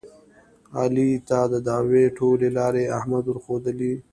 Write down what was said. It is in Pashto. علي ته د دعوې ټولې لارې احمد ورښودلې.